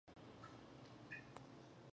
هغه د اسلامي کتابونو له لوستلو وروسته مسلمان شو.